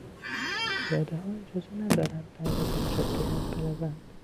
پیادهها اجازه ندارند در وسط جاده راه بروند.